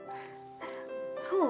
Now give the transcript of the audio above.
そう？